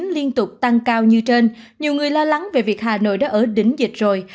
liên tục tăng cao như trên nhiều người lo lắng về việc hà nội đã ở đỉnh dịch rồi